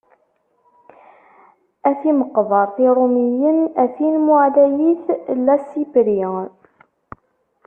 A timeqbert n yirumyen, a tin mu ɛlayit Lassipri.